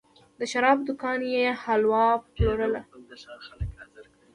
د شرابو دوکان کې یې حلوا پلورله.